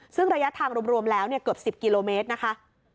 ซึ่งระยะทางรวมแล้วเกือบ๑๐กิโลเมตรนะคะ